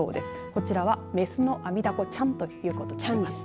こちらはメスのアミダコちゃんということです。